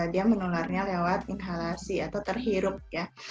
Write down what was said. dia menularnya lewat inhalasi atau terhirup ya